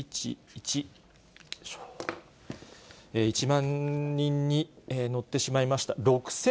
１万人に乗ってしまいました。